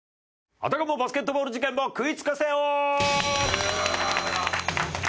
あたかもバスケットボール事件簿食いつかせ王！